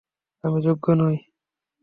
আমি যোগ্য নই।